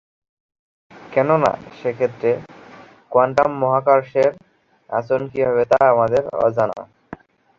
কেননা, সেক্ষেত্রে, কোয়ান্টাম মহাকর্ষের আচরণ কি হবে তা আমাদের অজানা।